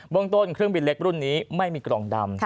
เรื่องต้นเครื่องบินเล็กรุ่นนี้ไม่มีกล่องดำ